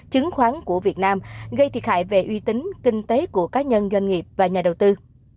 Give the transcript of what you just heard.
chứng khoán của việt nam gây thiệt hại về uy tín kinh tế của cá nhân doanh nghiệp và nhà đầu tư